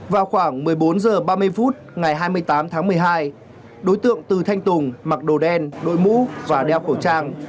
vào khoảng một mươi bốn h ba mươi phút ngày hai mươi tám tháng một mươi hai đối tượng từ thanh tùng mặc đồ đen đội mũ và đeo khẩu trang